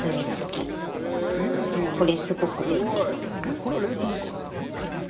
「これは冷凍ですか？」